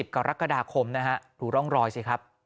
กรกฎาคมนะฮะดูร่องรอยสิครับ